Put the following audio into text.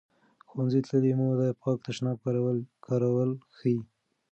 ښوونځې تللې مور د پاک تشناب کارول ښيي.